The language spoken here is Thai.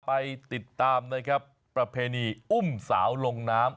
ไปติดตามนะครับประเพณีอุ้มสาวลงน้ำ